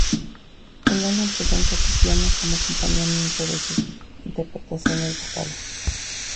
El álbum presenta su piano como acompañamiento de sus interpretaciones vocales.